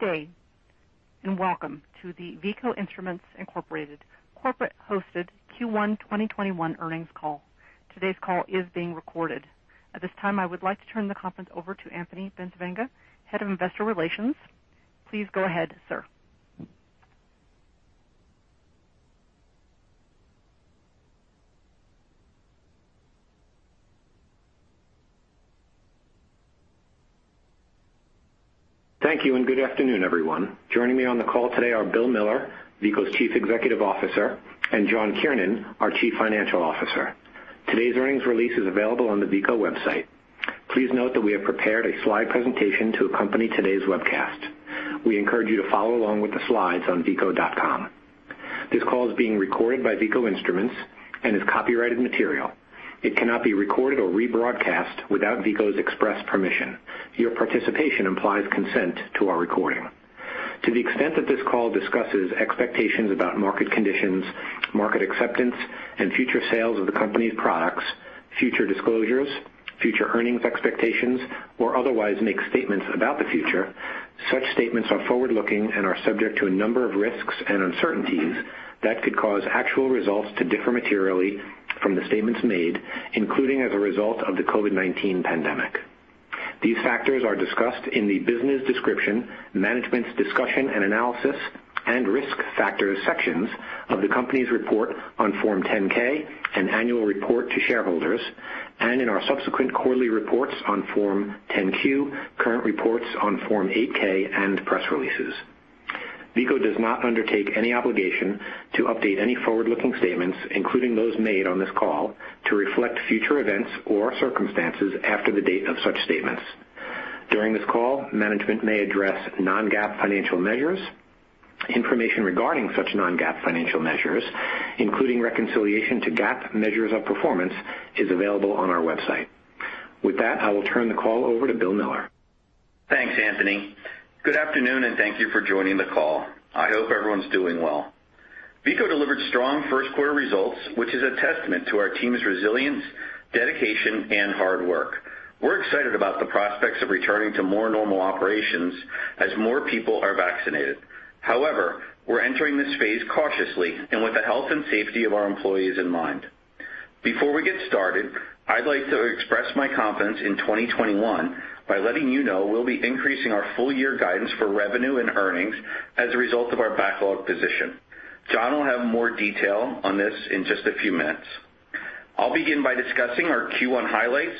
Good day, welcome to the Veeco Instruments Incorporated corporate hosted Q1 2021 earnings call. Today's call is being recorded. At this time, I would like to turn the conference over to Anthony Bencivenga, Head of Investor Relations. Please go ahead, sir. Thank you, and good afternoon, everyone. Joining me on the call today are Bill Miller, Veeco's Chief Executive Officer, and John Kiernan, our Chief Financial Officer. Today's earnings release is available on the Veeco website. Please note that we have prepared a slide presentation to accompany today's webcast. We encourage you to follow along with the slides on veeco.com. This call is being recorded by Veeco Instruments and is copyrighted material. It cannot be recorded or rebroadcast without Veeco's express permission. Your participation implies consent to our recording. To the extent that this call discusses expectations about market conditions, market acceptance, and future sales of the company's products, future disclosures, future earnings expectations, or otherwise makes statements about the future, such statements are forward-looking and are subject to a number of risks and uncertainties that could cause actual results to differ materially from the statements made, including as a result of the COVID-19 pandemic. These factors are discussed in the Business Description, Management's Discussion and Analysis, and Risk Factors sections of the company's report on Form 10-K and annual report to shareholders, and in our subsequent quarterly reports on Form 10-Q, current reports on Form 8-K, and press releases. Veeco does not undertake any obligation to update any forward-looking statements, including those made on this call, to reflect future events or circumstances after the date of such statements. During this call, management may address non-GAAP financial measures. Information regarding such non-GAAP financial measures, including reconciliation to GAAP measures of performance, is available on our website. With that, I will turn the call over to Bill Miller. Thanks, Anthony. Good afternoon, and thank you for joining the call. I hope everyone's doing well. Veeco delivered strong first-quarter results, which is a testament to our team's resilience, dedication, and hard work. We're excited about the prospects of returning to more normal operations as more people are vaccinated. However, we're entering this phase cautiously and with the health and safety of our employees in mind. Before we get started, I'd like to express my confidence in 2021 by letting you know we'll be increasing our full-year guidance for revenue and earnings as a result of our backlog position. John will have more detail on this in just a few minutes. I'll begin by discussing our Q1 highlights,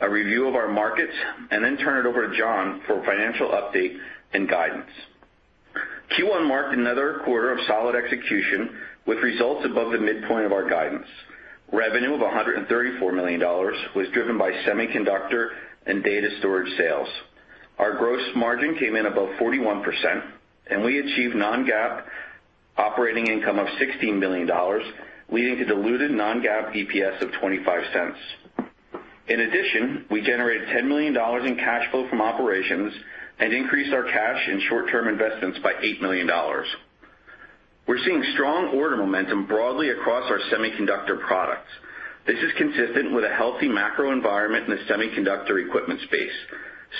a review of our markets, and then turn it over to John for financial update and guidance. Q1 marked another quarter of solid execution with results above the midpoint of our guidance. Revenue of $134 million was driven by semiconductor and data storage sales. Our gross margin came in above 41%. We achieved non-GAAP operating income of $16 million, leading to diluted non-GAAP EPS of $0.25. In addition, we generated $10 million in cash flow from operations and increased our cash and short-term investments by $8 million. We're seeing strong order momentum broadly across our semiconductor products. This is consistent with a healthy macro environment in the semiconductor equipment space.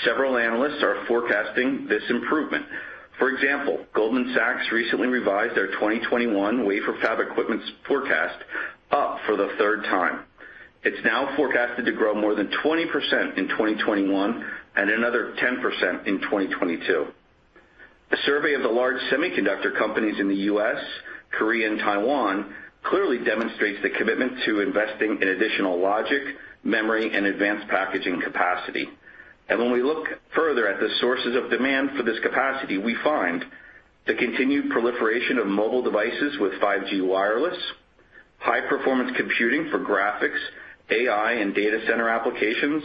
Several analysts are forecasting this improvement. For example, Goldman Sachs recently revised their 2021 wafer fab equipment forecast up for the third time. It's now forecasted to grow more than 20% in 2021 and another 10% in 2022. A survey of the large semiconductor companies in the U.S., Korea, and Taiwan clearly demonstrates the commitment to investing in additional logic, memory, and advanced packaging capacity. When we look further at the sources of demand for this capacity, we find the continued proliferation of mobile devices with 5G wireless, high-performance computing for graphics, AI, and data center applications,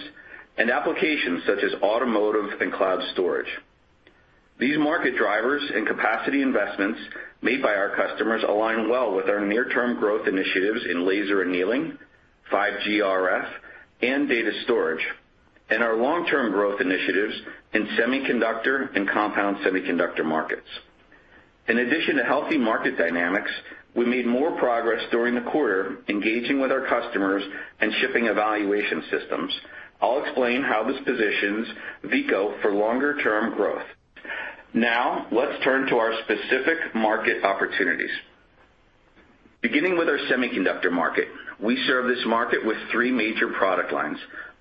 and applications such as automotive and cloud storage. These market drivers and capacity investments made by our customers align well with our near-term growth initiatives in laser annealing, 5G RF, and data storage, and our long-term growth initiatives in semiconductor and compound semiconductor markets. In addition to healthy market dynamics, we made more progress during the quarter, engaging with our customers and shipping evaluation systems. I'll explain how this positions Veeco for longer-term growth. Now, let's turn to our specific market opportunities. Beginning with our semiconductor market, we serve this market with three major product lines.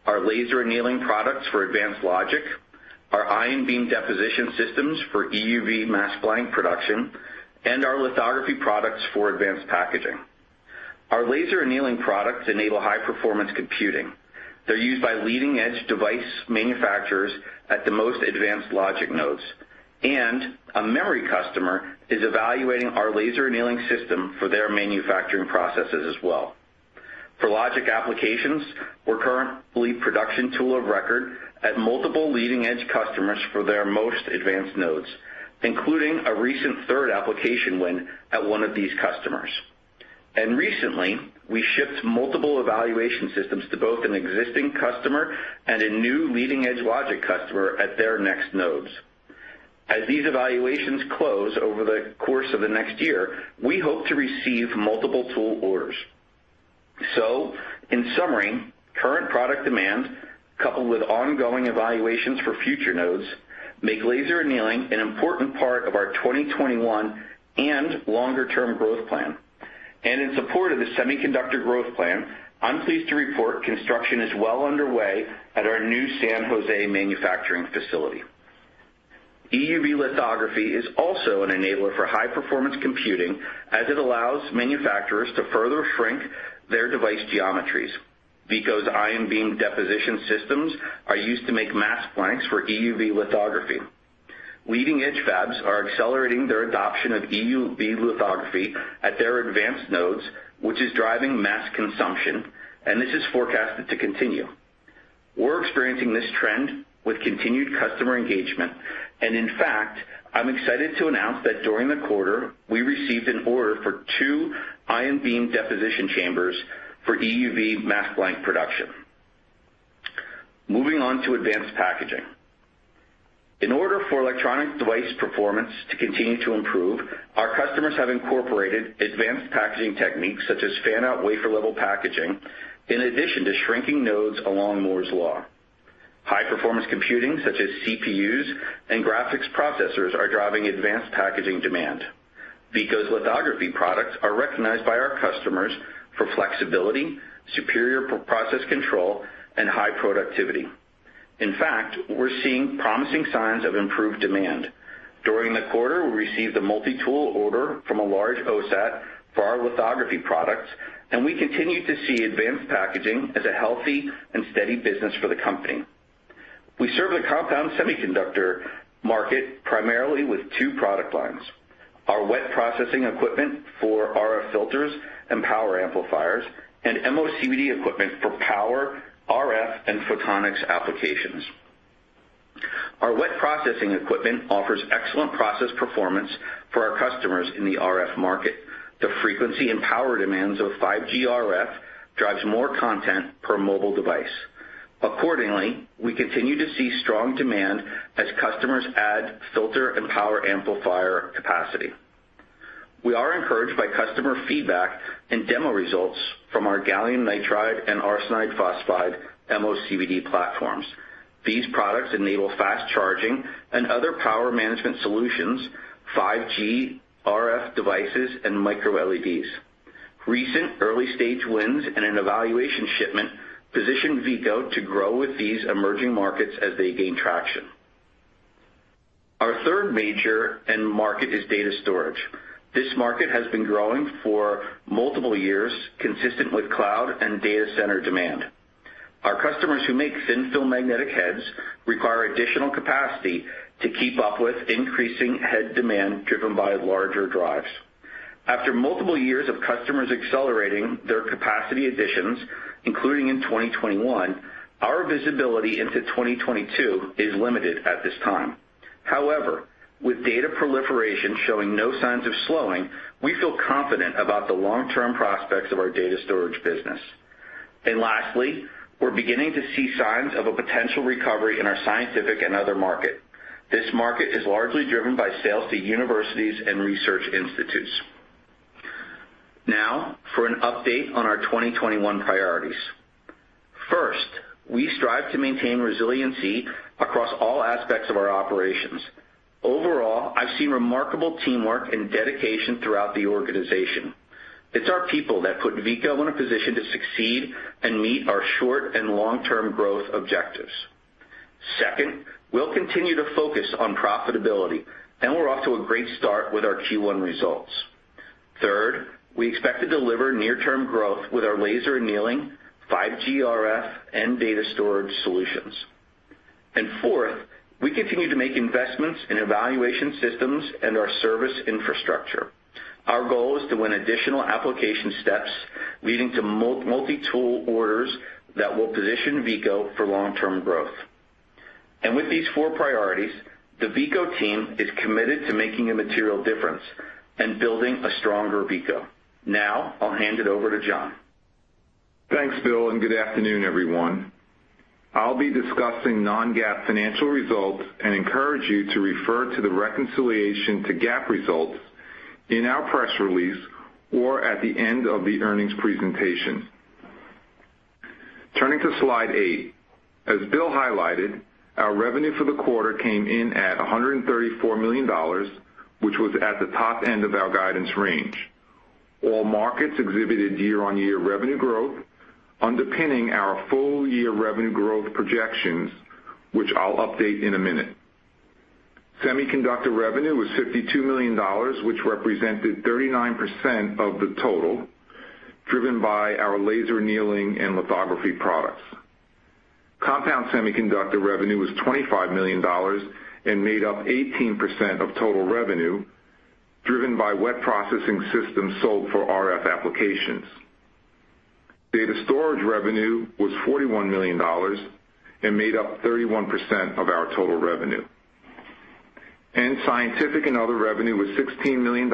Our laser annealing products for advanced logic, our ion beam deposition systems for EUV mask blank production, our lithography products for advanced packaging. Our laser annealing products enable high-performance computing. They're used by leading-edge device manufacturers at the most advanced logic nodes. A memory customer is evaluating our laser annealing system for their manufacturing processes as well. For logic applications, we're currently production tool of record at multiple leading-edge customers for their most advanced nodes, including a recent third application win at one of these customers. Recently, we shipped multiple evaluation systems to both an existing customer and a new leading-edge logic customer at their next nodes. As these evaluations close over the course of the next year, we hope to receive multiple tool orders. In summary, current product demand, coupled with ongoing evaluations for future nodes, make laser annealing an important part of our 2021 and longer-term growth plan. In support of the semiconductor growth plan, I'm pleased to report construction is well underway at our new San Jose manufacturing facility. EUV lithography is also an enabler for high-performance computing, as it allows manufacturers to further shrink their device geometries. Veeco's ion beam deposition systems are used to make mask blanks for EUV lithography. Leading-edge fabs are accelerating their adoption of EUV lithography at their advanced nodes, which is driving mass consumption, and this is forecasted to continue. We're experiencing this trend with continued customer engagement. In fact, I'm excited to announce that during the quarter, we received an order for two ion beam deposition chambers for EUV mask blank production. Moving on to advanced packaging. In order for electronic device performance to continue to improve, our customers have incorporated advanced packaging techniques such as fan-out wafer-level packaging, in addition to shrinking nodes along Moore's Law. High-performance computing such as CPUs and graphics processors are driving advanced packaging demand. Veeco's lithography products are recognized by our customers for flexibility, superior process control, and high productivity. In fact, we're seeing promising signs of improved demand. During the quarter, we received a multi-tool order from a large OSAT for our lithography products, and we continue to see advanced packaging as a healthy and steady business for the company. We serve the compound semiconductor market primarily with two product lines, our wet processing equipment for RF filters and power amplifiers, and MOCVD equipment for power, RF, and photonics applications. Our wet processing equipment offers excellent process performance for our customers in the RF market. The frequency and power demands of 5G RF drives more content per mobile device. Accordingly, we continue to see strong demand as customers add filter and power amplifier capacity. We are encouraged by customer feedback and demo results from our Gallium Nitride and Arsenide Phosphide MOCVD platforms. These products enable fast charging and other power management solutions, 5G RF devices, and micro LEDs. Recent early-stage wins and an evaluation shipment position Veeco to grow with these emerging markets as they gain traction. Our third major end market is data storage. This market has been growing for multiple years, consistent with cloud and data center demand. Our customers who make thin-film magnetic heads require additional capacity to keep up with increasing head demand driven by larger drives. After multiple years of customers accelerating their capacity additions, including in 2021, our visibility into 2022 is limited at this time. However, with data proliferation showing no signs of slowing, we feel confident about the long-term prospects of our data storage business. Lastly, we're beginning to see signs of a potential recovery in our scientific and other market. This market is largely driven by sales to universities and research institutes. For an update on our 2021 priorities. First, we strive to maintain resiliency across all aspects of our operations. Overall, I've seen remarkable teamwork and dedication throughout the organization. It's our people that put Veeco in a position to succeed and meet our short- and long-term growth objectives. Second, we'll continue to focus on profitability, and we're off to a great start with our Q1 results. Third, we expect to deliver near-term growth with our laser annealing, 5G RF, and data storage solutions. Fourth, we continue to make investments in evaluation systems and our service infrastructure. Our goal is to win additional application steps leading to multi-tool orders that will position Veeco for long-term growth. With these four priorities, the Veeco team is committed to making a material difference and building a stronger Veeco. Now I'll hand it over to John. Thanks, Bill. Good afternoon, everyone. I'll be discussing non-GAAP financial results and encourage you to refer to the reconciliation to GAAP results in our press release or at the end of the earnings presentation. Turning to slide eight. As Bill highlighted, our revenue for the quarter came in at $134 million, which was at the top end of our guidance range. All markets exhibited year-on-year revenue growth, underpinning our full-year revenue growth projections, which I'll update in a minute. Semiconductor revenue was $52 million, which represented 39% of the total, driven by our laser annealing and lithography products. Compound semiconductor revenue was $25 million and made up 18% of total revenue, driven by wet processing systems sold for RF applications. Data storage revenue was $41 million and made up 31% of our total revenue. Scientific and other revenue was $16 million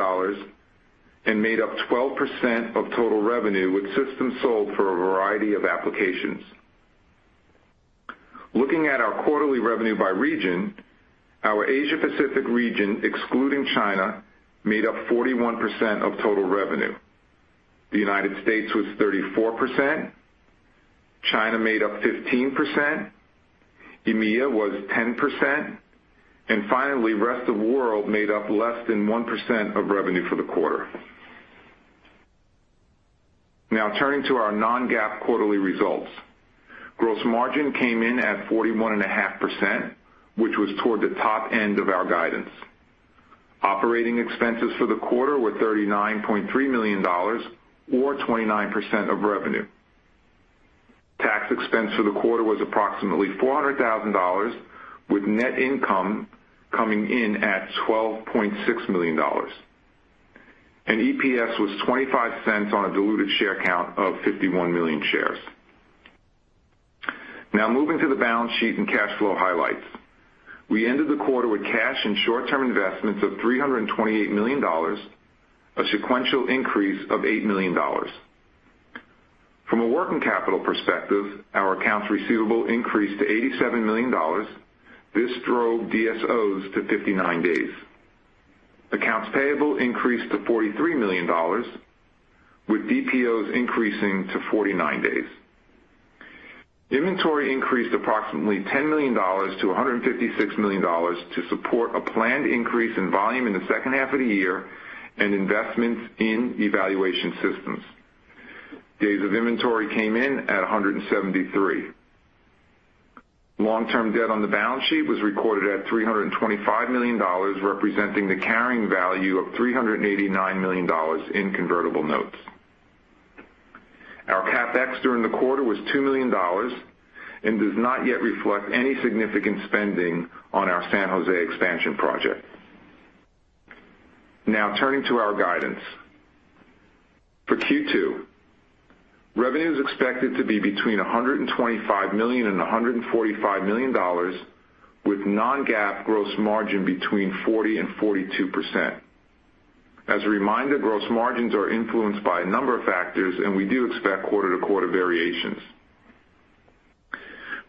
and made up 12% of total revenue, with systems sold for a variety of applications. Looking at our quarterly revenue by region, our Asia Pacific region, excluding China, made up 41% of total revenue. The United States was 34%. China made up 15%. EMEA was 10%. Finally, rest of world made up less than 1% of revenue for the quarter. Now turning to our non-GAAP quarterly results. Gross margin came in at 41.5%, which was toward the top end of our guidance. OpEx for the quarter were $39.3 million, or 29% of revenue. Tax expense for the quarter was approximately $400,000, with net income coming in at $12.6 million. EPS was $0.25 on a diluted share count of 51 million shares. Now moving to the balance sheet and cash flow highlights. We ended the quarter with cash and short-term investments of $328 million, a sequential increase of $8 million. From a working capital perspective, our accounts receivable increased to $87 million. This drove DSOs to 59 days. Accounts payable increased to $43 million, with DPOs increasing to 49 days. Inventory increased approximately $10 million-$156 million to support a planned increase in volume in the second half of the year and investments in evaluation systems. Days of inventory came in at 173. Long-term debt on the balance sheet was recorded at $325 million, representing the carrying value of $389 million in convertible notes. Our CapEx during the quarter was $2 million and does not yet reflect any significant spending on our San Jose expansion project. Turning to our guidance. For Q2, revenue is expected to be between $125 million and $145 million, with non-GAAP gross margin between 40% and 42%. As a reminder, gross margins are influenced by a number of factors, and we do expect quarter-to-quarter variations.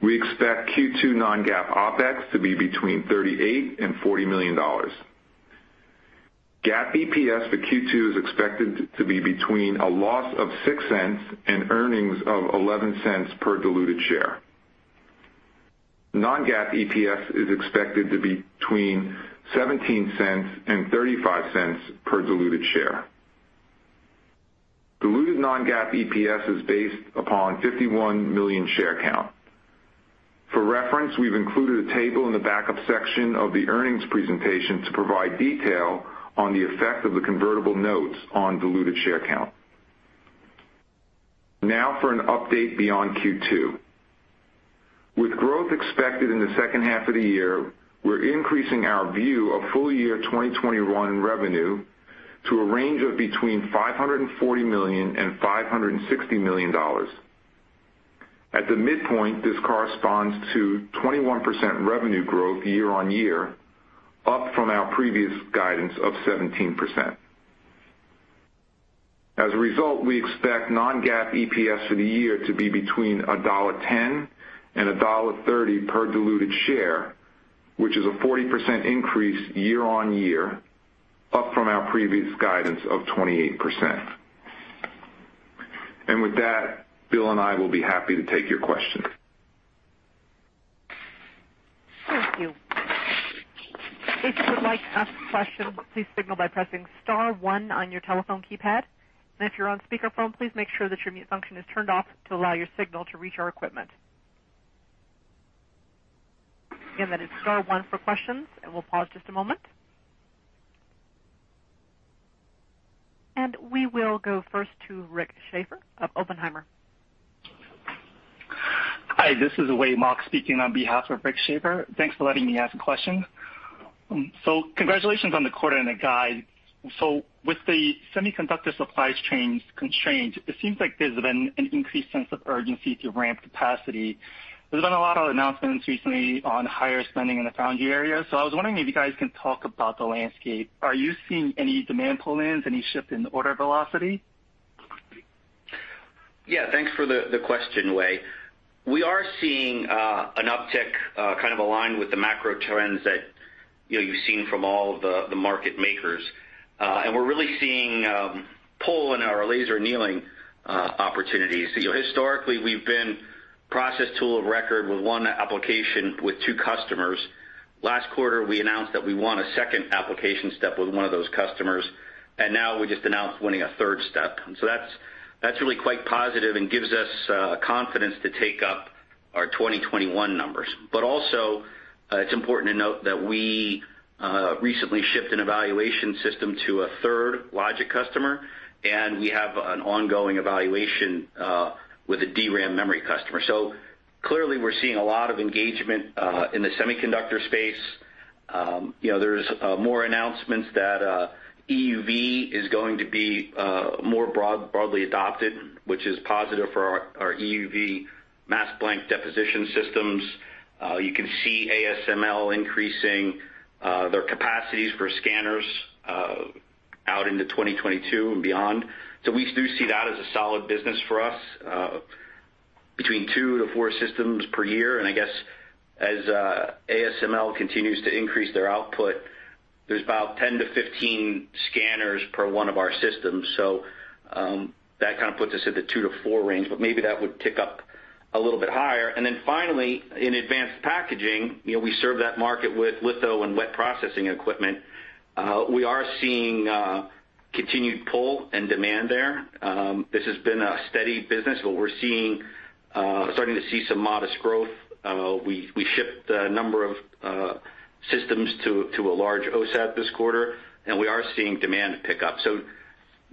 We expect Q2 non-GAAP OpEx to be between $38 and $40 million. GAAP EPS for Q2 is expected to be between a loss of $0.06 and earnings of $0.11 per diluted share. Non-GAAP EPS is expected to be between $0.17 and $0.35 per diluted share. Diluted non-GAAP EPS is based upon 51 million share count. For reference, we've included a table in the backup section of the earnings presentation to provide detail on the effect of the convertible notes on diluted share count. Now for an update beyond Q2. With growth expected in the second half of the year, we're increasing our view of full-year 2021 revenue to a range of between $540 million and $560 million. At the midpoint, this corresponds to 21% revenue growth year-on-year, up from our previous guidance of 17%. As a result, we expect non-GAAP EPS for the year to be between $1.10 and $1.30 per diluted share, which is a 40% increase year-on-year, up from our previous guidance of 28%. With that, Bill and I will be happy to take your questions. Thank you. If you would like to ask a question, please signal by pressing star one on your telephone keypad. If you're on speakerphone, please make sure that your mute function is turned off to allow your signal to reach our equipment. Again, that is star one for questions, and we'll pause just a moment. We will go first to Rick Schafer of Oppenheimer. Hi, this is Wei Mok speaking on behalf of Rick Schafer. Thanks for letting me ask a question. Congratulations on the quarter and the guide. With the semiconductor supply constraints, it seems like there's been an increased sense of urgency to ramp capacity. There's been a lot of announcements recently on higher spending in the foundry area. I was wondering if you guys can talk about the landscape. Are you seeing any demand pull-ins, any shift in order velocity? Thanks for the question, Wei. We are seeing an uptick kind of aligned with the macro trends that you've seen from all of the market makers. We're really seeing pull in our laser annealing opportunities. Historically, we've been process tool of record with one application with two customers. Last quarter, we announced that we won a second application step with one of those customers, and now we just announced winning a third step. That's really quite positive and gives us confidence to take up our 2021 numbers. Also, it's important to note that we recently shipped an evaluation system to a third logic customer, and we have an ongoing evaluation with a DRAM memory customer. Clearly we're seeing a lot of engagement in the semiconductor space. There's more announcements that EUV is going to be more broadly adopted, which is positive for our EUV mask blank deposition systems. You can see ASML increasing their capacities for scanners. Out into 2022 and beyond. We do see that as a solid business for us, between two to four systems per year. I guess as ASML continues to increase their output, there's about 10-15 scanners per one of our systems. That kind of puts us at the two to four range, but maybe that would tick up a little bit higher. Finally, in advanced packaging, we serve that market with litho and wet processing equipment. We are seeing continued pull and demand there. This has been a steady business, but we're starting to see some modest growth. We shipped a number of systems to a large OSAT this quarter, and we are seeing demand pick up.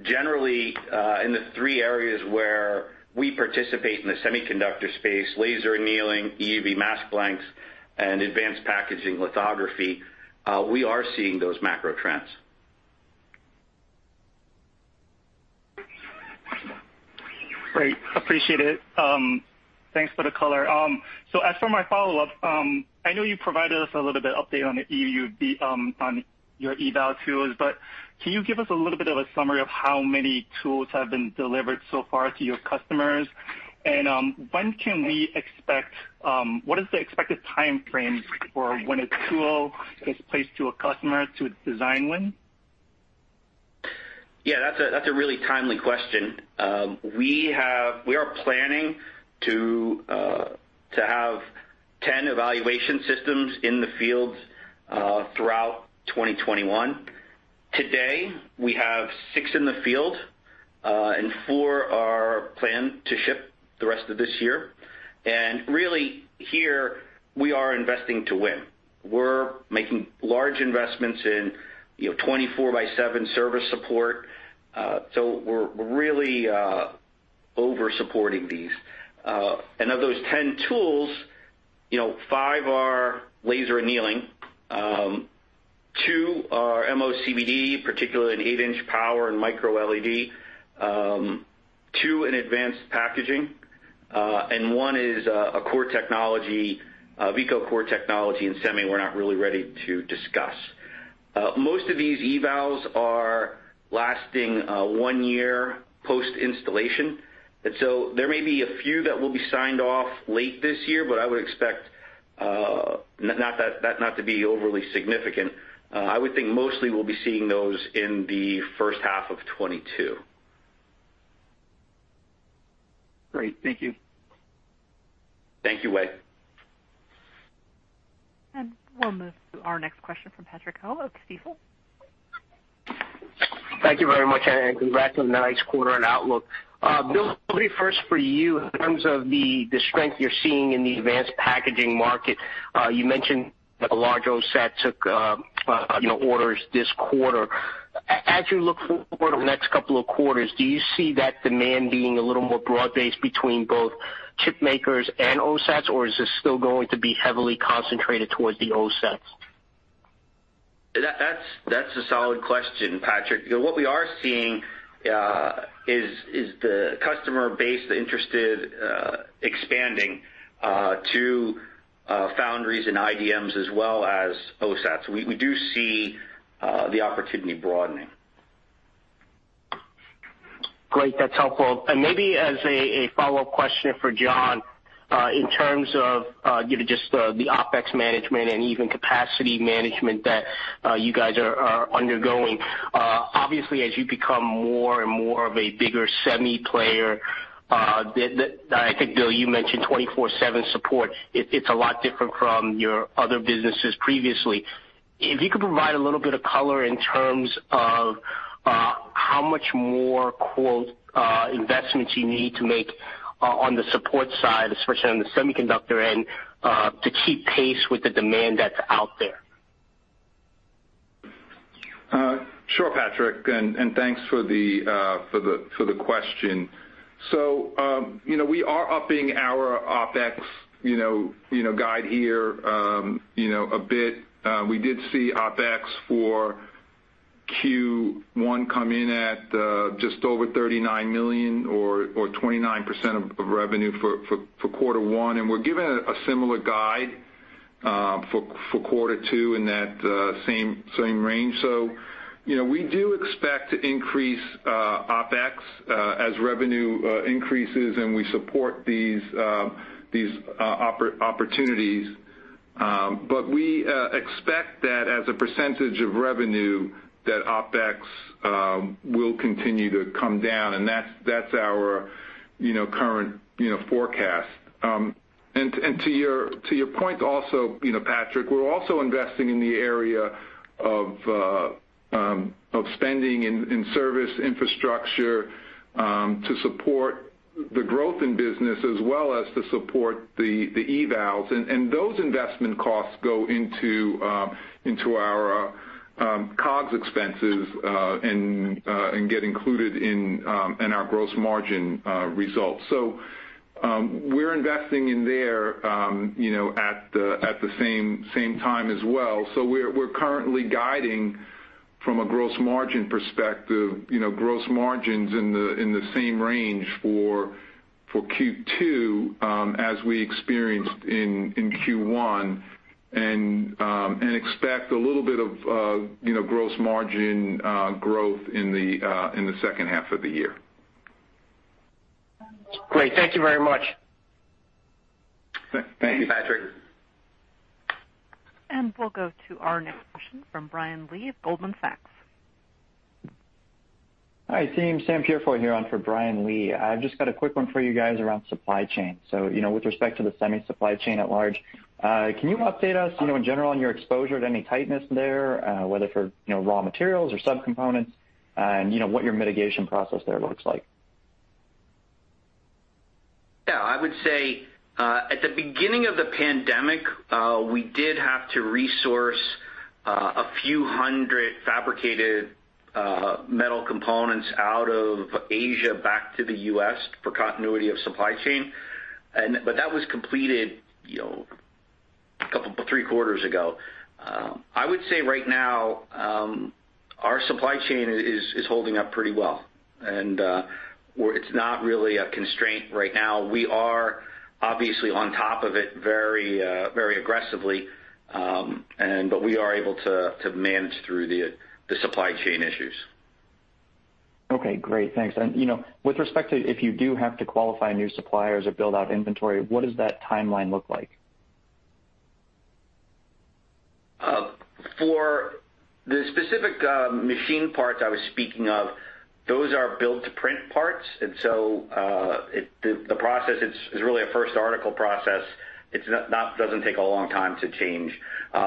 Generally, in the three areas where we participate in the semiconductor space, laser annealing, EUV mask blanks, and advanced packaging lithography, we are seeing those macro trends. Great. Appreciate it. Thanks for the color. As for my follow-up, I know you provided us a little bit update on your eval tools, but can you give us a little bit of a summary of how many tools have been delivered so far to your customers? What is the expected time frame for when a tool gets placed to a customer to its design win? Yeah, that's a really timely question. We are planning to have 10 evaluation systems in the field throughout 2021. Today, we have six in the field, and four are planned to ship the rest of this year. Really here, we are investing to win. We're making large investments in 24 by seven service support. So we're really over-supporting these. Of those 10 tools, five are laser annealing, two are MOCVD, particularly in 8-inch power and micro LED, two in advanced packaging, and one is a core technology, Veeco core technology in semi we're not really ready to discuss. Most of these evals are lasting one year post-installation. So there may be a few that will be signed off late this year, but I would expect that not to be overly significant. I would think mostly we'll be seeing those in the first half of 2022. Great. Thank you. Thank you, Wei. We'll move to our next question from Patrick Ho of Stifel. Thank you very much. Congrats on the nice quarter and outlook. Bill, maybe first for you in terms of the strength you're seeing in the advanced packaging market. You mentioned that a large OSAT took orders this quarter. As you look forward over the next couple of quarters, do you see that demand being a little more broad-based between both chip makers and OSATs, or is this still going to be heavily concentrated towards the OSATs? That's a solid question, Patrick. What we are seeing is the customer base interested expanding to foundries and IDMs as well as OSATs. We do see the opportunity broadening. Great. That's helpful. Maybe as a follow-up question for John, in terms of just the OpEx management and even capacity management that you guys are undergoing. Obviously, as you become more and more of a bigger semi player, I think, Bill, you mentioned 24/7 support. It's a lot different from your other businesses previously. If you could provide a little bit of color in terms of how much more "investments" you need to make on the support side, especially on the semiconductor end, to keep pace with the demand that's out there. Sure, Patrick, and thanks for the question. We are upping our OpEx guide here a bit. We did see OpEx for Q1 come in at just over $39 million or 29% of revenue for quarter one, and we're giving a similar guide for quarter two in that same range. We do expect to increase OpEx as revenue increases, and we support these opportunities. We expect that as a percentage of revenue, that OpEx will continue to come down, and that's our current forecast. To your point also, Patrick, we're also investing in the area of spending in service infrastructure to support the growth in business as well as to support the evals. Those investment costs go into our COGS expenses, and get included in our gross margin results. We're investing in there at the same time as well. We're currently guiding from a gross margin perspective, gross margins in the same range for Q2, as we experienced in Q1, and expect a little bit of gross margin growth in the second half of the year. Great. Thank you very much. Thank you, Patrick. We'll go to our next question from Brian Lee of Goldman Sachs. Hi, team. Sam Peurifoy here on for Brian Lee. I've just got a quick one for you guys around supply chain. With respect to the semi supply chain at large, can you update us, in general, on your exposure to any tightness there, whether for raw materials or sub-components, and what your mitigation process there looks like? Yeah, I would say, at the beginning of the pandemic, we did have to resource a few 100 fabricated metal components out of Asia back to the U.S. for continuity of supply chain. That was completed three quarters ago. I would say right now, our supply chain is holding up pretty well, and it's not really a constraint right now. We are obviously on top of it very aggressively, but we are able to manage through the supply chain issues. Okay, great. Thanks. With respect to if you do have to qualify new suppliers or build out inventory, what does that timeline look like? For the specific machine parts I was speaking of, those are build-to-print parts. The process is really a first article process. It doesn't take a long time to change.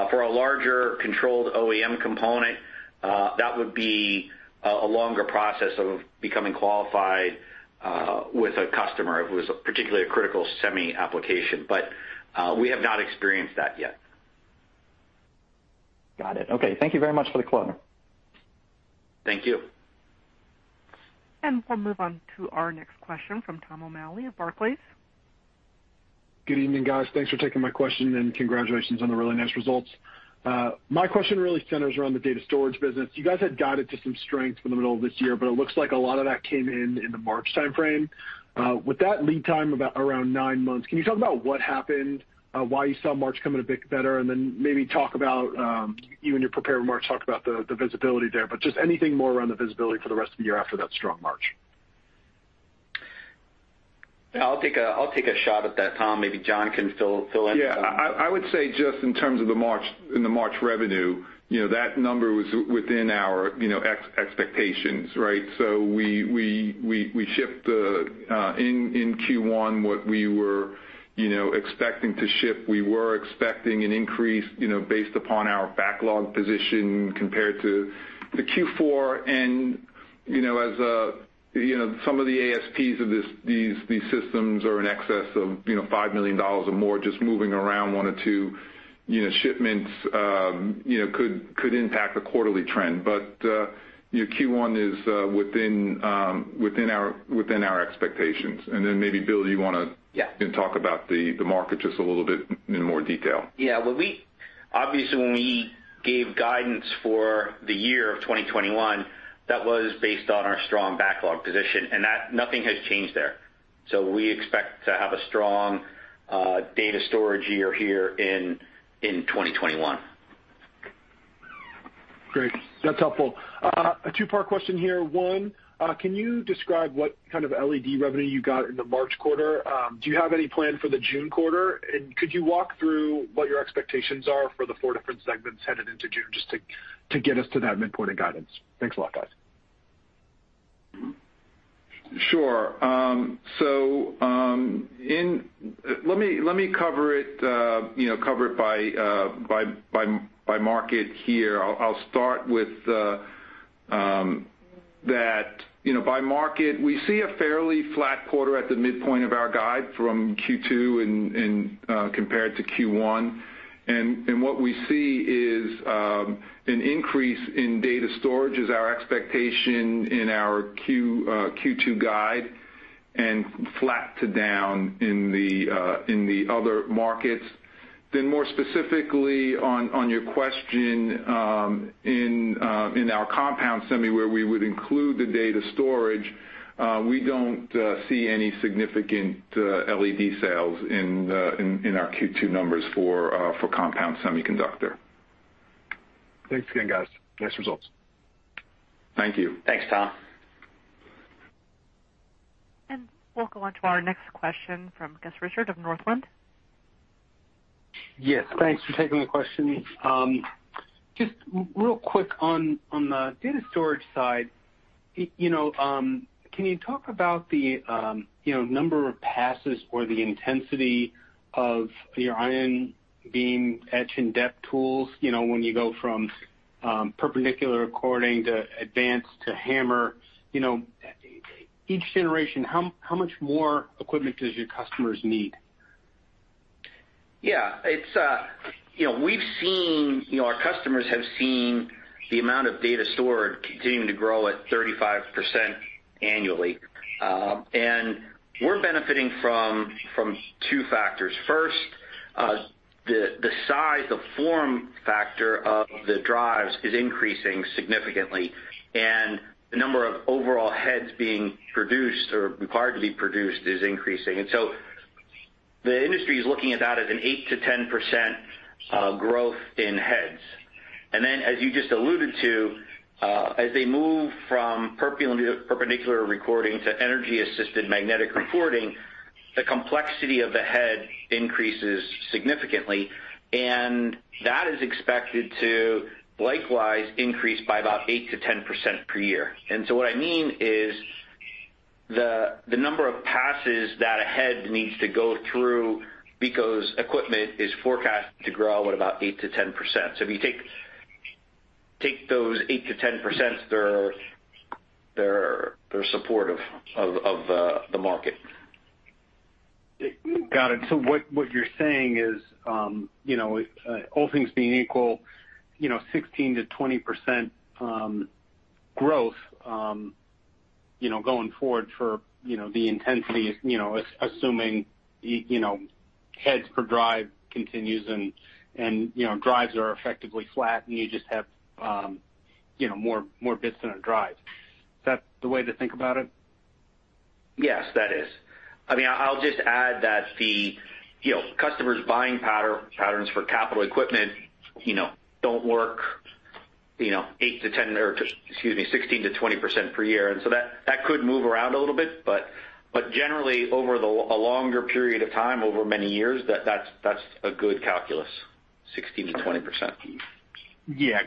For a larger controlled OEM component, that would be a longer process of becoming qualified with a customer who is particularly a critical semi application. We have not experienced that yet. Got it. Okay. Thank you very much for the color. Thank you. We'll move on to our next question from Tom O'Malley of Barclays. Good evening, guys. Thanks for taking my question, and congratulations on the really nice results. My question really centers around the data storage business. You guys had guided to some strength for the middle of this year, but it looks like a lot of that came in in the March timeframe. With that lead time about around nine months, can you talk about what happened, why you saw March coming a bit better, and then maybe talk about, you in your prepared remarks talked about the visibility there, but just anything more around the visibility for the rest of the year after that strong March? I'll take a shot at that, Tom. Maybe John can fill in. Yeah. I would say just in terms of the March revenue, that number was within our expectations, right? We shipped in Q1 what we were expecting to ship. We were expecting an increase based upon our backlog position compared to the Q4. As some of the ASPs of these systems are in excess of $5 million or more, just moving around one or two shipments could impact a quarterly trend. Q1 is within our expectations. Maybe, Bill, you want to. Yeah. Talk about the market just a little bit in more detail. Yeah. Obviously, when we gave guidance for the year of 2021, that was based on our strong backlog position, and nothing has changed there. We expect to have a strong data storage year here in 2021. Great. That's helpful. A two-part question here. One, can you describe what kind of LED revenue you got in the March quarter? Do you have any plan for the June quarter? Could you walk through what your expectations are for the four different segments headed into June, just to get us to that midpoint of guidance? Thanks a lot, guys. Sure. Let me cover it by market here. I'll start with that by market, we see a fairly flat quarter at the midpoint of our guide from Q2 and compared to Q1. What we see is an increase in data storage is our expectation in our Q2 guide, and flat to down in the other markets. More specifically on your question, in our compound semi, where we would include the data storage, we don't see any significant LED sales in our Q2 numbers for compound semiconductor. Thanks again, guys. Nice results. Thank you. Thanks, Tom. We'll go on to our next question from Gus Richard of Northland. Yes. Thanks for taking the question. Real quick on the data storage side, can you talk about the number of passes or the intensity of your ion beam etch and dep tools when you go from perpendicular recording to advanced to HAMR? Each generation, how much more equipment does your customers need? Yeah. Our customers have seen the amount of data stored continuing to grow at 35% annually. We're benefiting from two factors. First. The size, the form factor of the drives is increasing significantly, and the number of overall heads being produced or required to be produced is increasing. The industry is looking at that as an 8%-10% growth in heads. As you just alluded to, as they move from perpendicular recording to energy-assisted magnetic recording, the complexity of the head increases significantly, and that is expected to likewise increase by about 8%-10% per year. What I mean is the number of passes that a head needs to go through because equipment is forecasted to grow at about 8%-10%. If you take those 8%-10%, they're supportive of the market. Got it. What you're saying is, all things being equal, 16%-20% growth going forward for the intensity, assuming heads per drive continues and drives are effectively flat and you just have more bits in a drive. Is that the way to think about it? Yes, that is. I'll just add that the customers' buying patterns for capital equipment don't work 16%-20% per year. That could move around a little bit, but generally over a longer period of time, over many years, that's a good calculus, 16%-20%. Yeah.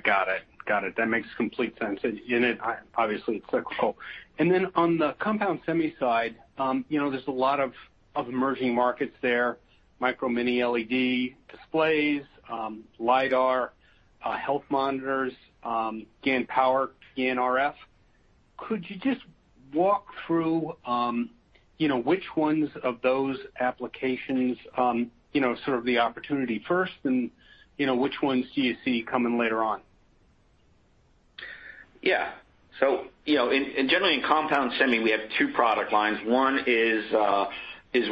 Got it. That makes complete sense. Obviously, it's cyclical. On the compound semi side, there's a lot of emerging markets there, micro/mini LED displays, LiDAR, health monitors, GaN power, GaN RF. Could you just walk through which ones of those applications sort of the opportunity first, and which ones do you see coming later on? Generally in compound semi, we have two product lines. One is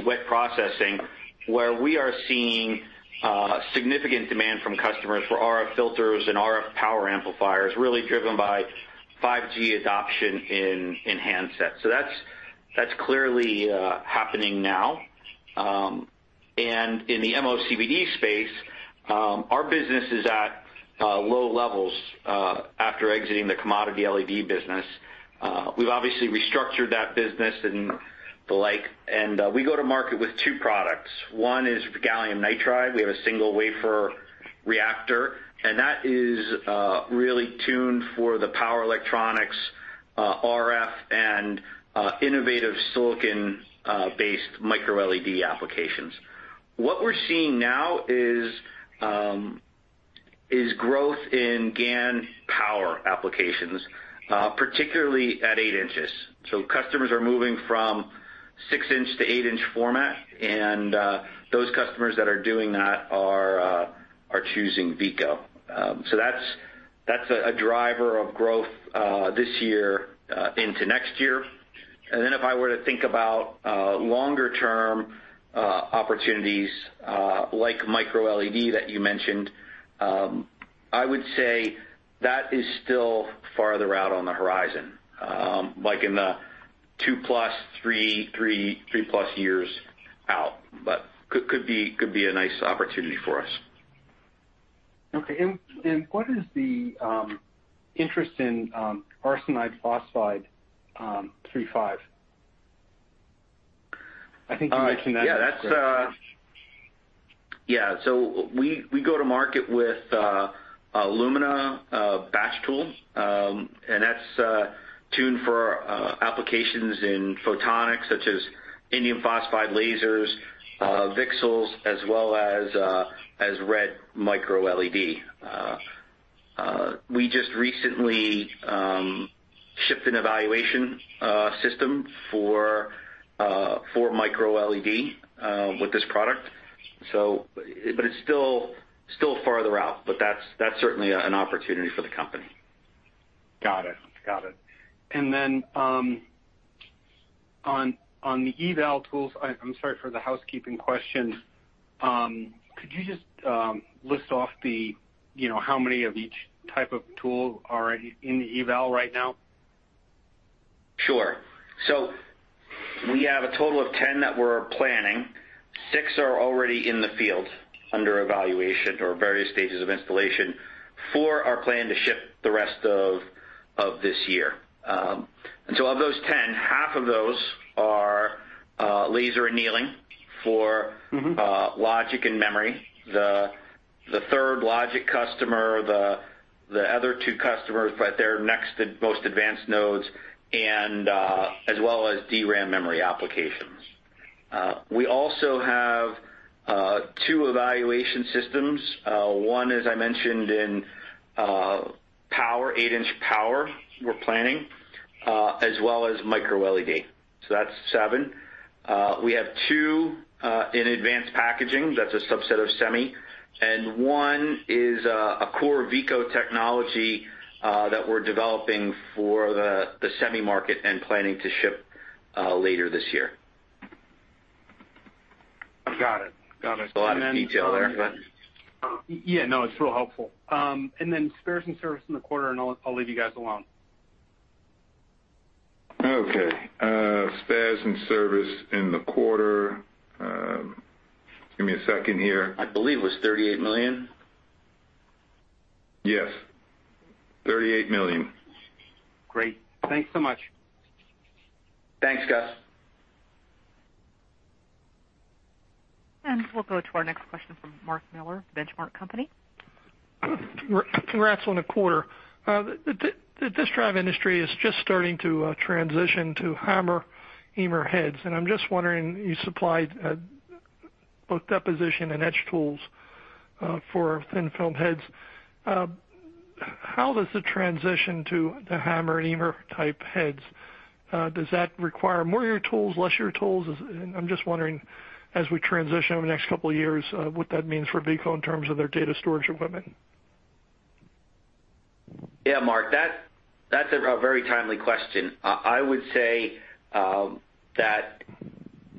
wet processing, where we are seeing significant demand from customers for RF filters and RF power amplifiers, really driven by 5G adoption in handsets. That's clearly happening now. In the MOCVD space, our business is at low levels after exiting the commodity LED business. We've obviously restructured that business and the like, and we go to market with two products. One is Gallium Nitride. We have a single wafer reactor, and that is really tuned for the power electronics, RF, and innovative silicon-based micro LED applications. What we're seeing now is growth in GaN power applications, particularly at 8 inches. Customers are moving from 6 inch-8 inch format, and those customers that are doing that are choosing Veeco. That's a driver of growth this year into next year. If I were to think about longer-term opportunities, like micro LED that you mentioned, I would say that is still farther out on the horizon, like in the two-plus, three-plus years out, but could be a nice opportunity for us. Okay. What is the interest in Arsenide Phosphide III-V? Yeah. So we go to market with a Lumina batch tool, and that's tuned for applications in photonics such as indium phosphide lasers, VCSELs, as well as red micro LED. We just recently shipped an evaluation system for micro LED with this product. But it's still farther out, but that's certainly an opportunity for the company. Got it. On the eval tools, I'm sorry for the housekeeping question, could you just list off how many of each type of tool are in the eval right now? Sure. We have a total of 10 that we're planning. Six are already in the field under evaluation or various stages of installation. Four are planned to ship the rest of this year. Of those 10, 1/2 of those are laser annealing for logic and memory. The third logic customer, the other two customers, but they're next to most advanced nodes and as well as DRAM memory applications. We also have two evaluation systems. One, as I mentioned, in 8 inch power we're planning, as well as micro LED. That's seven. We have two in advanced packaging, that's a subset of semi, and one is a core Veeco technology that we're developing for the semi market and planning to ship later this year. Got it. It's a lot of detail there, but. Yeah, no, it's real helpful. Then spares and service in the quarter, and I'll leave you guys alone. Okay. Spares and service in the quarter. Give me a second here. I believe it was $38 million. Yes, $38 million. Great. Thanks so much. Thanks, Gus. We'll go to our next question from Mark Miller of The Benchmark Company. Congrats on the quarter. The disk drive industry is just starting to transition to HAMR, IMER heads. I'm just wondering, you supplied both deposition and etch tools for thin-film heads. How does the transition to the HAMR and IMER type heads, does that require more of your tools, less your tools? I'm just wondering, as we transition over the next couple of years, what that means for Veeco in terms of their data storage equipment. Mark, that's a very timely question. I would say that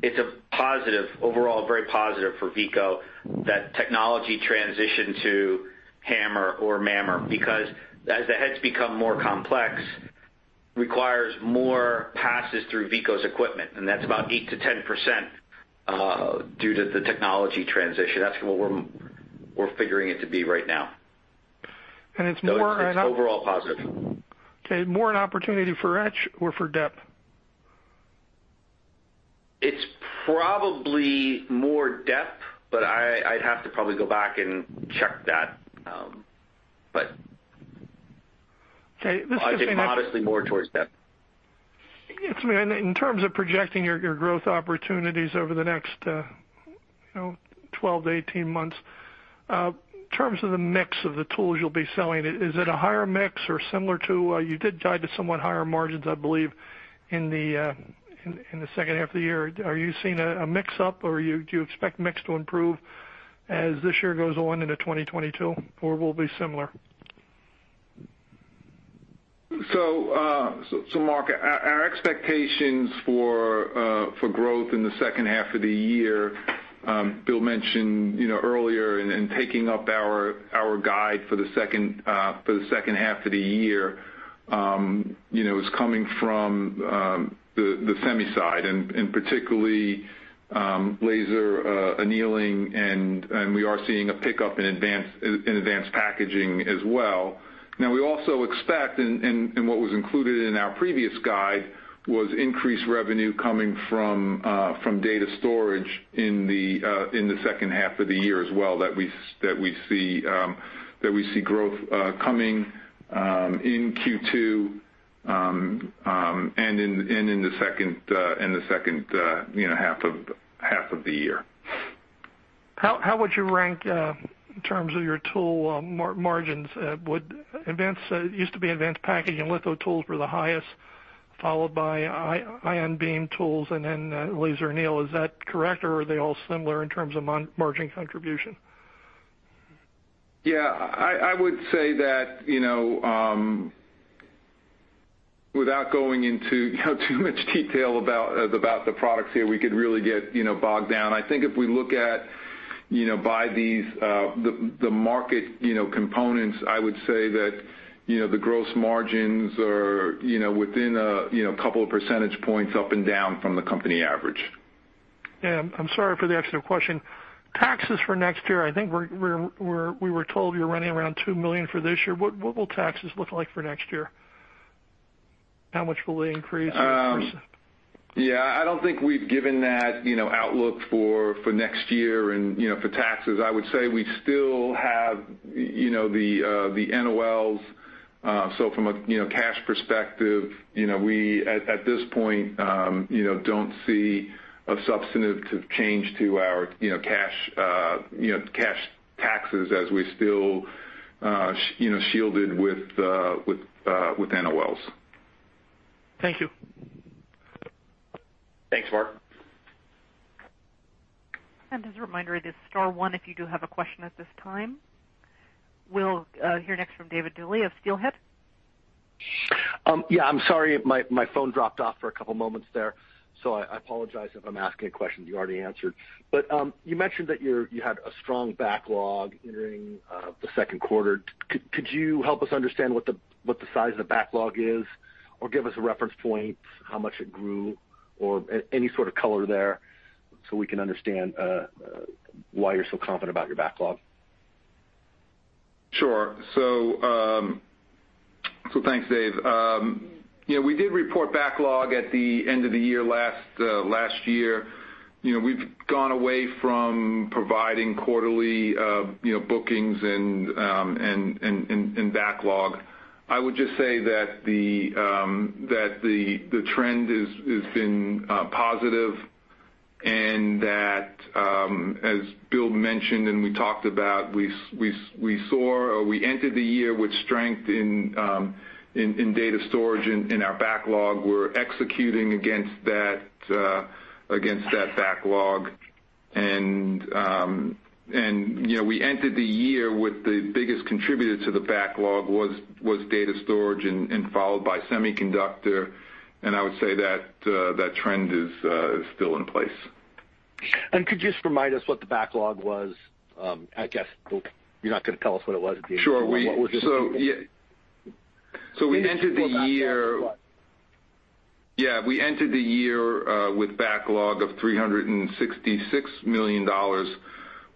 it's a positive overall, very positive for Veeco, that technology transition to HAMR or MAMR, because as the heads become more complex, requires more passes through Veeco's equipment, and that's about 8%-10% due to the technology transition. That's what we're figuring it to be right now. And it's more- It's overall positive. Okay, more an opportunity for etch or for dep? It's probably more dep, but I'd have to probably go back and check that. I'd say modestly more towards dep. Yes. In terms of projecting your growth opportunities over the next 12-18 months, in terms of the mix of the tools you'll be selling, is it a higher mix or similar to? You did guide to somewhat higher margins, I believe, in the second half of the year. Are you seeing a mix-up, or do you expect mix to improve as this year goes on into 2022, or will it be similar? Mark, our expectations for growth in the second half of the year, Bill mentioned earlier, and taking up our guide for the second half of the year, is coming from the semi side, and particularly laser annealing, and we are seeing a pickup in advanced packaging as well. We also expect, and what was included in our previous guide, was increased revenue coming from data storage in the second half of the year as well, that we see growth coming in Q2, and in the second half of the year. How would you rank in terms of your tool margins? It used to be advanced packaging litho tools were the highest, followed by ion beam tools and then laser anneal. Is that correct, or are they all similar in terms of margin contribution? Yeah, I would say that, without going into too much detail about the products here, we could really get bogged down. I think if we look at by these, the market components, I would say that the gross margins are within a couple of percentage points up and down from the company average. Yeah. I'm sorry for the extra question. Taxes for next year, I think we were told you're running around $2 million for this year. What will taxes look like for next year? How much will they increase as a %? Yeah, I don't think we've given that outlook for next year and for taxes. I would say we still have the NOLs. From a cash perspective, we, at this point, don't see a substantive change to our cash taxes as we're still shielded with NOLs. Thank you. Thanks, Mark. As a reminder, it is star one if you do have a question at this time. We will hear next from David Duley of Steelhead. Yeah, I'm sorry, my phone dropped off for a couple of moments there, so I apologize if I'm asking a question you already answered. You mentioned that you had a strong backlog entering the second quarter. Could you help us understand what the size of the backlog is, or give us a reference point, how much it grew, or any sort of color there, so we can understand why you're so confident about your backlog? Sure. Thanks, Dave. We did report backlog at the end of the year last year. We've gone away from providing quarterly bookings and backlog. I would just say that the trend has been positive, and that, as Bill mentioned, and we talked about, we saw or we entered the year with strength in data storage in our backlog. We're executing against that backlog. We entered the year with the biggest contributor to the backlog was data storage, and followed by semiconductor, and I would say that trend is still in place. Could you just remind us what the backlog was? I guess you're not going to tell us what it was at the end of the year, but what was it at? We entered the year- Backlog was what? Yeah. We entered the year with backlog of $366 million,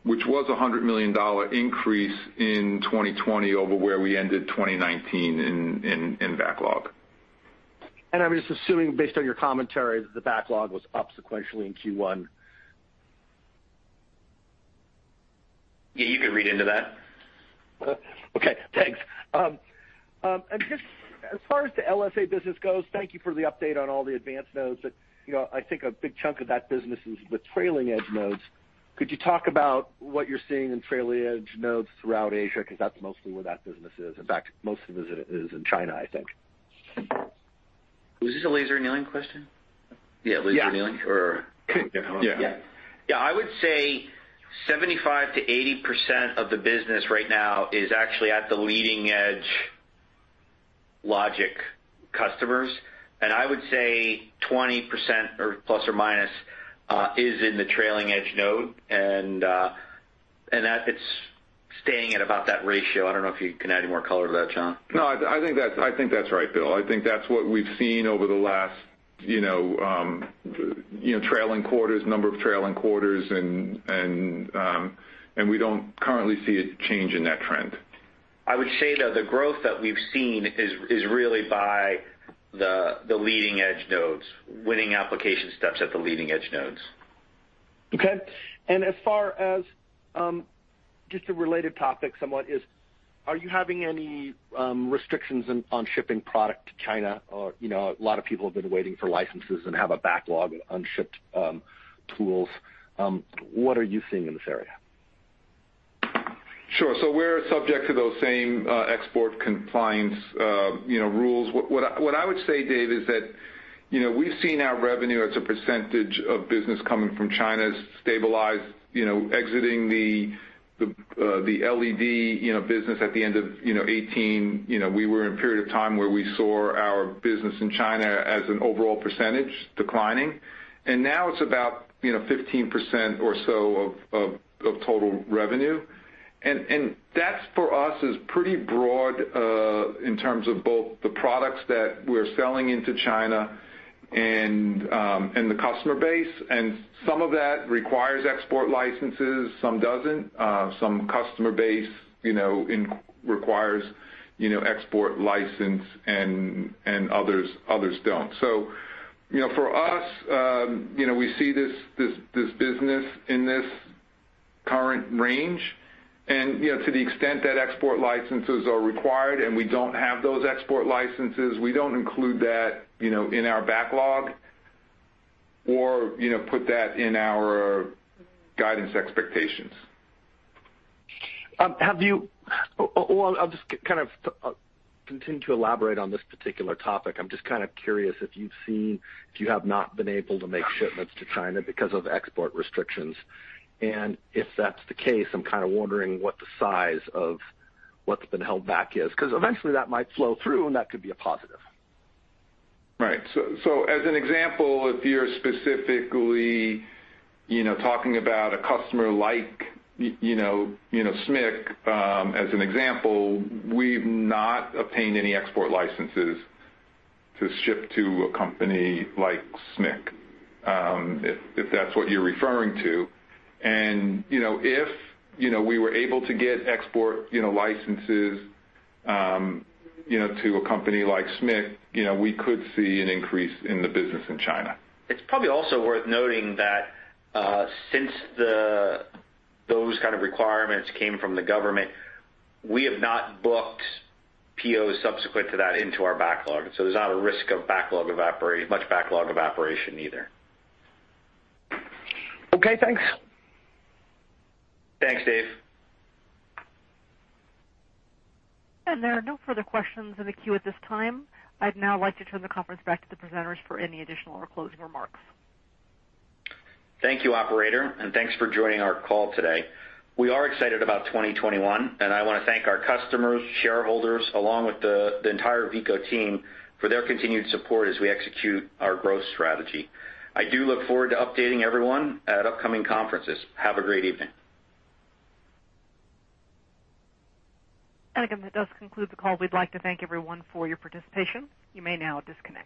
which was a $100 million increase in 2020 over where we ended 2019 in backlog. I'm just assuming, based on your commentary, that the backlog was up sequentially in Q1. Yeah, you could read into that. Okay, thanks. As far as the LSA business goes, thank you for the update on all the advanced nodes that I think a big chunk of that business is the trailing-edge nodes. Could you talk about what you're seeing in trailing-edge nodes throughout Asia? That's mostly where that business is. In fact, most of the business is in China, I think. Was this a laser annealing question? Yeah. Laser annealing? Yeah. Yeah. I would say 75%-80% of the business right now is actually at the leading-edge logic customers, and I would say 20%, or plus or minus, is in the trailing-edge node, and that it's staying at about that ratio. I don't know if you can add any more color to that, John. No, I think that's right, Bill. I think that's what we've seen over the last number of trailing quarters, and we don't currently see a change in that trend. I would say, though, the growth that we've seen is really by the leading-edge nodes, winning application steps at the leading-edge nodes. Okay. As far as just a related topic, are you having any restrictions on shipping product to China? A lot of people have been waiting for licenses and have a backlog of unshipped tools. What are you seeing in this area? Sure. We're subject to those same export compliance rules. What I would say, Dave, is that we've seen our revenue as a % of business coming from China stabilize exiting the LED business at the end of 2018. We were in a period of time where we saw our business in China as an overall % declining, now it's about 15% or so of total revenue. That, for us, is pretty broad in terms of both the products that we're selling into China and the customer base, some of that requires export licenses, some doesn't. Some customer base requires export license and others don't. For us, we see this business in this current range, to the extent that export licenses are required and we don't have those export licenses, we don't include that in our backlog or put that in our guidance expectations. I'll just kind of continue to elaborate on this particular topic. I'm just kind of curious if you have not been able to make shipments to China because of export restrictions. If that's the case, I'm kind of wondering what the size of what's been held back is, because eventually that might flow through, and that could be a positive. Right. As an example, if you're specifically talking about a customer like SMIC, as an example, we've not obtained any export licenses to ship to a company like SMIC, if that's what you're referring to. If we were able to get export licenses to a company like SMIC, we could see an increase in the business in China. It's probably also worth noting that since those kind of requirements came from the government, we have not booked POs subsequent to that into our backlog. There's not a risk of much backlog evaporation either. Okay, thanks. Thanks, Dave. There are no further questions in the queue at this time. I'd now like to turn the conference back to the presenters for any additional or closing remarks. Thank you, operator. Thanks for joining our call today. We are excited about 2021. I want to thank our customers, shareholders, along with the entire Veeco team for their continued support as we execute our growth strategy. I do look forward to updating everyone at upcoming conferences. Have a great evening. Again, that does conclude the call. We'd like to thank everyone for your participation. You may now disconnect.